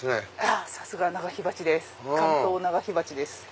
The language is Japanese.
さすが！関東長火鉢です。